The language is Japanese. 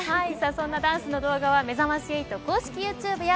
そんなダンスの動画はめざまし８公式ユーチューブや